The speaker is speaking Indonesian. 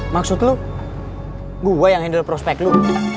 maksud lo gue yang handle prospek lo